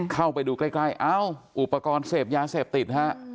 เข้าไปดูใกล้เอ้าอุปกรณ์เสพยาเสพติดฮะ